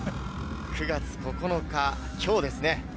９月９日、きょうですね。